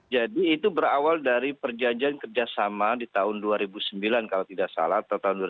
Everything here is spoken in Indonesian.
jadi itu berawal dari perjanjian kerjasama di tahun dua ribu sembilan kalau tidak salah atau tahun dua ribu sepuluh